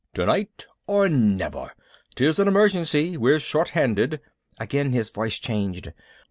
"Tonight or never! 'Tis an emergency we're short handed." Again his voice changed.